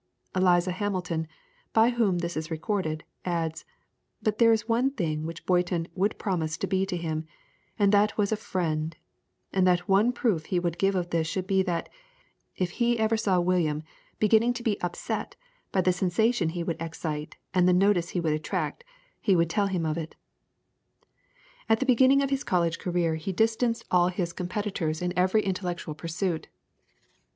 Eliza Hamilton, by whom this is recorded, adds, "But there is one thing which Boyton would promise to be to him, and that was a FRIEND; and that one proof he would give of this should be that, if ever he saw William beginning to be UPSET by the sensation he would excite, and the notice he would attract, he would tell him of it." At the beginning of his college career he distanced all his competitors in every intellectual pursuit.